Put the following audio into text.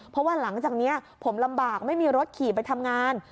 เพราะว่าหลังจากนี้ผมลำบากไม่มีรถขี่ไปทำงาน